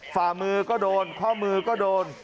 ฝ่ามือก็โดนข้อมือก็โดน